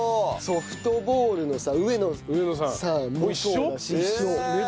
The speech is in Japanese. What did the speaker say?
ソフトボールのさ上野さんもそうだし。